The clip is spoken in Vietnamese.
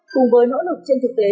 cùng với nỗ lực trên thực tế